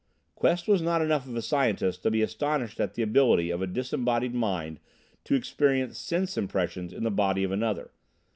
Quest was not enough of a scientist to be astonished at the ability of a disembodied mind to experience sense impressions in the body of another.